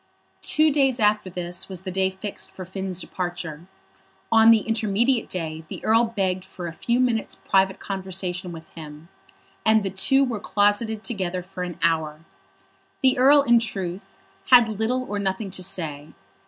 Two days after this was the day fixed for Finn's departure. On the intermediate day the Earl begged for a few minutes' private conversation with him, and the two were closeted together for an hour. The Earl, in truth, had little or nothing to say.